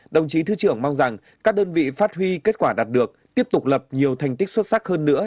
đồng chí thứ trưởng mong rằng các đơn vị phát huy kết quả đạt được tiếp tục lập nhiều thành tích xuất sắc hơn nữa